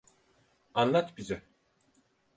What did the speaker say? Anlat bize.